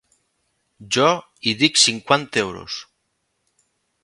Jo hi dic cinquanta euros.